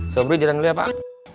sobri jalan dulu ya pak